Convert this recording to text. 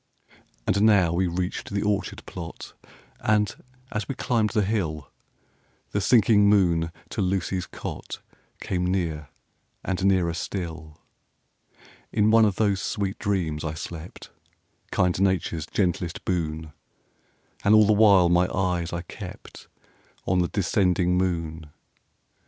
And now we reached the orchard plot; And, as we climbed the hill, The sinking moon to Lucy's cot Came near, and nearer still. In one of those sweet dreams I slept, Kind Nature's gentlest boon! And all the while my eyes I kept On the descending moon.